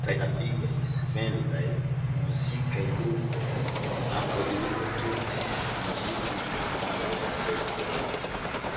Kiel multaj aliaj svedaj muzikaj grupoj, ankaŭ ili produktis muzikon kun anglaj tekstoj.